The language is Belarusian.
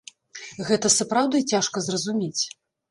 Гэта сапраўды цяжка зразумець.